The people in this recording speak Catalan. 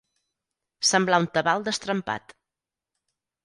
Semblar un tabal destrempat.